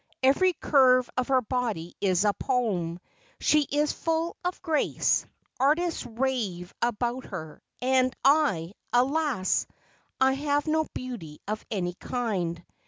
Every curve of her body is a poem. She is full of grace. Artists rave about her. And I alas, I have no beauty of any kind."